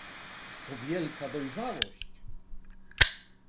To wielka dojrzałość